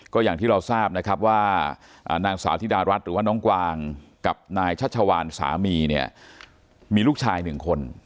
ก็อย่างที่ราวสาธิดารัชหรือน้องกว่างกับนายชาชวรสามีนี่มีลูกชายหนึ่งคน